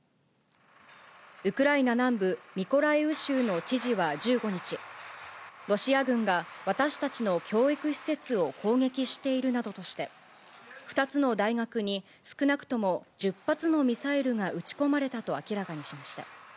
ウクライナ南部ミコライウ州の知事は１５日、ロシア軍が私たちの教育施設を攻撃しているなどとして、２つの大学に少なくとも１０発のミサイルが撃ち込まれたと明らかにしました。